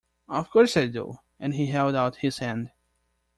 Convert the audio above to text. “Of course I do,” and he held out his hand.